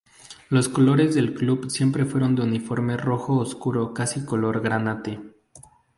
Los colores del club siempre fueron de uniforme rojo oscuro casi color granate.